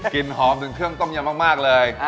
หอมถึงเครื่องต้มยำมากเลย